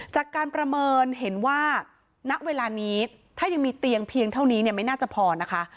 จากการประเมินเห็นว่าณเวลานี้ถ้ายังมีเตียงเพียงเท่านี้เนี่ยไม่น่าจะพอนะคะ